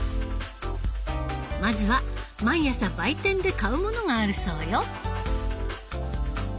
まずは毎朝売店で買うものがあるそうよ。